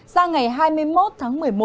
sao ngày hai mươi một tháng một mươi một